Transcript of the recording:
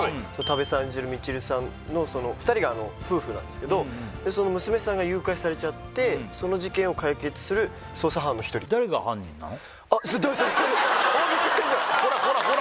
未知留さんのその２人が夫婦なんですけどその娘さんが誘拐されちゃってその事件を解決する捜査班の一人あっそれ